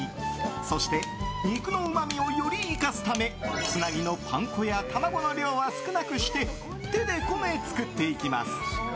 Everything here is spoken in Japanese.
そして肉のうまみをより生かすためつなぎのパン粉や卵の量は少なくして手でこね、作っていきます。